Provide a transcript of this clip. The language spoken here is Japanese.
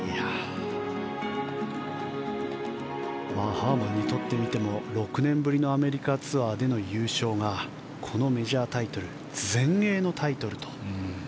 ハーマンにとってみても６年ぶりのアメリカツアーでの優勝がこのメジャータイトル全英のタイトルと。